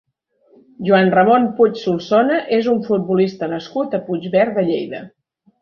Joan Ramon Puig Solsona és un futbolista nascut a Puigverd de Lleida.